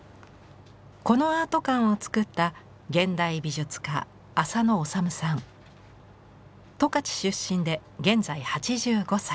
このアート館を作った十勝出身で現在８５歳。